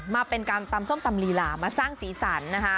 มาเป็นการตำส้มตำลีลามาสร้างสีสันนะคะ